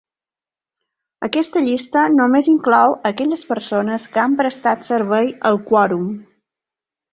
Aquesta llista només inclou aquelles persones que han prestat servei al Quorum.